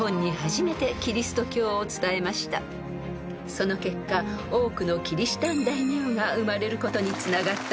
［その結果多くのキリシタン大名が生まれることにつながったのです］